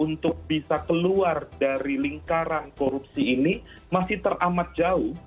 untuk bisa keluar dari lingkaran korupsi ini masih teramat jauh